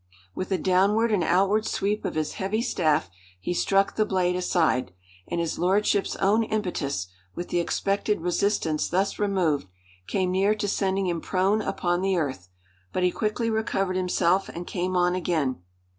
With a downward and outward sweep of his heavy staff he struck the blade aside, and his lordship's own impetus, with the expected resistance thus removed, came near to sending him prone upon the earth. But he quickly recovered himself and came on again.